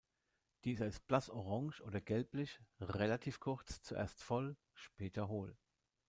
Dieser ist blass orange oder gelblich, relativ kurz, zuerst voll, später hohl.